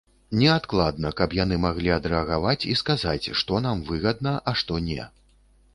Неадкладна, каб яны маглі адрэагаваць і сказаць, што нам выгадна, а што не.